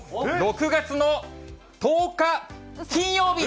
６月の１０日金曜日。